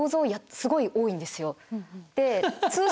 すごい多いんですよ。